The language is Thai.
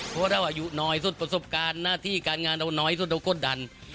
เพราะว่าเราอายุน้อยสุดประสบการณ์หน้าที่การงานเราน้อยสุดเรากดดัน